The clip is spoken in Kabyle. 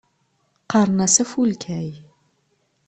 Qqaren-as Afulkay.